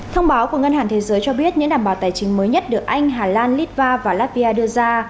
thông báo của ngân hàng thế giới cho biết những đảm bảo tài chính mới nhất được anh hà lan litva và latvia đưa ra